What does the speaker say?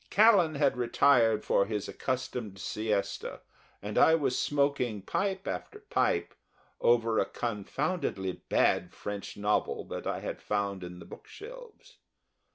Callan had retired for his accustomed siesta and I was smoking pipe after pipe over a confoundedly bad French novel that I had found in the book shelves.